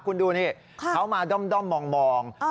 คุณดูนี่เขามาด้อมมอง